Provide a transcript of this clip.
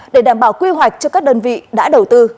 để đảm bảo quy hoạch cho các đơn vị đã đầu tư